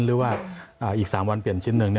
หรือว่าอีก๓วันเปลี่ยนชิ้นหนึ่ง